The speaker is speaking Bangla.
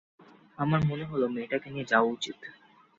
আমার মনে হল এই মেয়েটাকে নিয়ে যাওয়া উচিত।